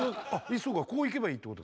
そうかこういけばいいってこと。